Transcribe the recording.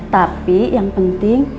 tapi yang penting